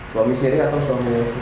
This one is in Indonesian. suami siri atau suami